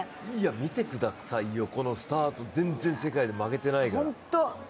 見てくださいよ、このスタート、全然世界に負けてないから。